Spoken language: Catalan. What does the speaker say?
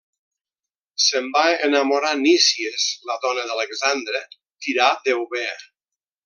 Se'n va enamorar Nícies, la dona d'Alexandre, tirà d'Eubea.